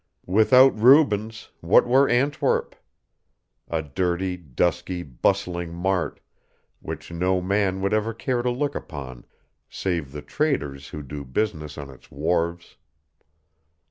Without Rubens, what were Antwerp? A dirty, dusky, bustling mart, which no man would ever care to look upon save the traders who do business on its wharves.